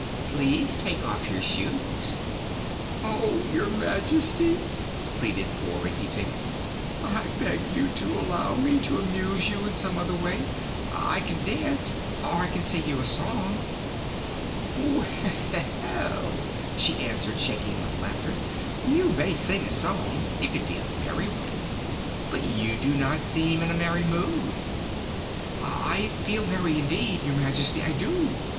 "Please take off your shoes." "Oh, your Majesty!" pleaded poor Rinkitink, "I beg you to allow me to amuse you in some other way. I can dance, or I can sing you a song." "Well," she answered, shaking with laughter, "you may sing a song if it be a merry one. But you do not seem in a merry mood." "I feel merry indeed, Your Majesty, I do!"